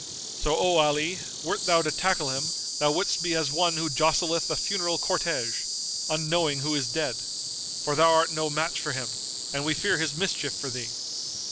So O Ali, wert thou to tackle him, thou wouldst be as one who jostleth a funeral cortège, unknowing who is dead;[FN#243] for thou art no match for him, and we fear his mischief for thee.